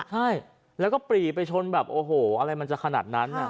ใช่แล้วก็ปรีไปชนแบบโอ้โหอะไรมันจะขนาดนั้น